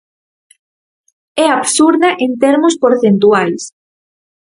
É absurda en termos porcentuais.